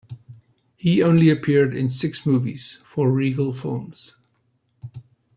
He only appeared in six movies for Regal Films.